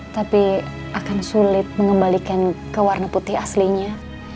tapi akan sulit mengembalikan ke warna putih aslinya